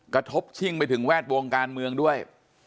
ชิ่งไปถึงแวดวงการเมืองด้วย